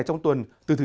hẹn gặp lại